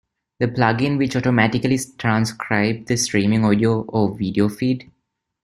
The plug-in will automatically transcribe the streaming audio or video feed.